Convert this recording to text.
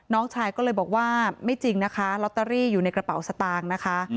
น้องชายก็เลยบอกว่าไม่จริงนะคะลอตเตอรี่อยู่ในกระเป๋าสตางค์นะคะ